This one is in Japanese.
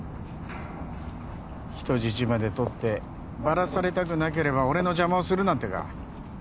人質までとってバラされたくなければ俺の邪魔をするなってか？